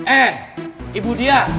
eh ibu dia